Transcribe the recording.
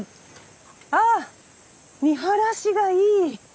ああ見晴らしがいい！